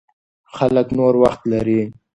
خلک نور وخت لري.